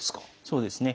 そうですね。